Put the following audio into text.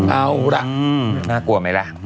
เอาล่ะน่ากลัวไหมล่ะ